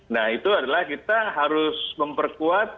nah itu adalah kita harus memperkuat